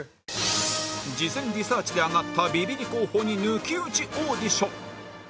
事前リサーチで挙がったビビリ候補に抜き打ちオーディション